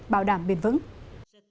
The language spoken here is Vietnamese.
bảo đảm biến đổi